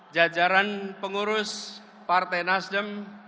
jajaran pengurus partai nasdem